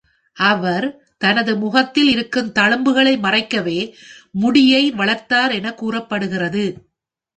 அவர் தனது முகத்தில் இருக்கும் தழும்புகளை மறைக்கவே முடியை வளர்த்தார் எனக் கூறப்படுகிறது.